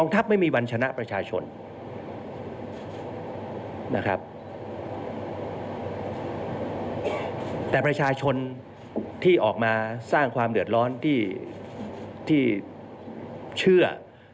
แต่ประชาชนที่ออกมาสร้างความเดือดร้อนที่เชื่อ